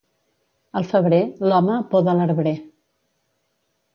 Al febrer, l'home poda l'arbrer.